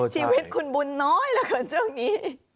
ชีวิตคุณบุญน้อยเหลือเกินช่วงนี้